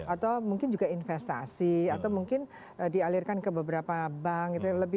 atau mungkin juga investasi atau mungkin dialirkan ke beberapa bank gitu ya